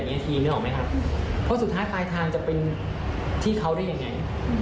เมื่อเทียบไม่ค่ะเพราะสุดท้ายปลายทางจะเป็นที่เขาได้ยังไง